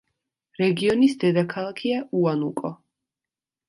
რეგიონის დედაქალაქია უანუკო.